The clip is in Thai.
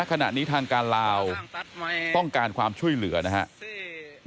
ขณะนี้ทางการลาวต้องการความช่วยเหลือนะครับ